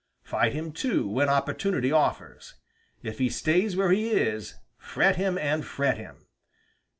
Fight him, too, when opportunity offers. If he stays where he is, fret him and fret him."